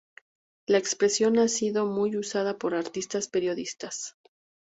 La expresión ha sido muy usada por artistas y periodistas.